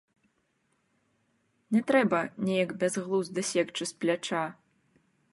Не трэба неяк бязглузда секчы з пляча.